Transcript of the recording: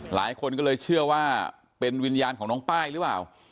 หลายคนก็เลยเชื่อว่าเป็นวิญญาณของน้องป้ายหรือเปล่า